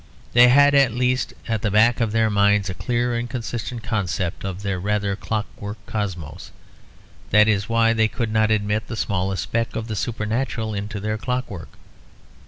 They had at least at the back of their minds a clear and consistent concept of their rather clockwork cosmos; that is why they could not admit the smallest speck of the supernatural into their clockwork.